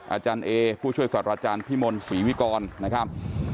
อาจารย์เอผู้ช่วยสัตว์อาจารย์พิมลศรีวิกรนะครับ